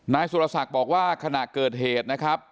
นายสุรศักดิ์บอกว่าขณะเกิดเหตุนะครับ